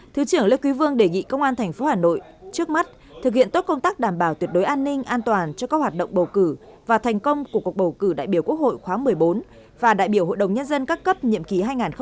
thứ trưởng lê quý vương đề nghị công an tp hà nội trước mắt thực hiện tốt công tác đảm bảo tuyệt đối an ninh an toàn cho các hoạt động bầu cử và thành công của cuộc bầu cử đại biểu quốc hội khóa một mươi bốn và đại biểu hội đồng nhân dân các cấp nhiệm kỳ hai nghìn hai mươi một hai nghìn hai mươi sáu